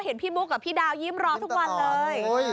พี่บุ๊คกับพี่ดาวยิ้มรอทุกวันเลย